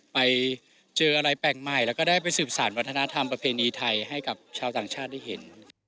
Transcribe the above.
ไปเจออะไรแปลกใหม่แล้วก็ได้ไปสืบสารวัฒนธรรมประเพณีไทยให้กับชาวต่างชาติได้เห็น